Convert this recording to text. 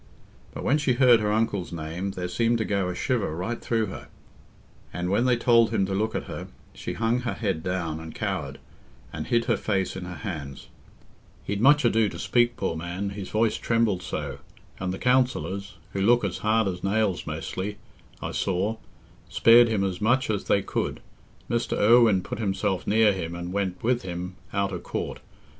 But when she heard her uncle's name, there seemed to go a shiver right through her; and when they told him to look at her, she hung her head down, and cowered, and hid her face in her hands. He'd much ado to speak poor man, his voice trembled so. And the counsellors—who look as hard as nails mostly—I saw, spared him as much as they could. Mr. Irwine put himself near him and went with him out o' court.